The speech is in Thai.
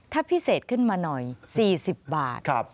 ถ้าพิเศษขึ้นมาหน่อย๔๐บาท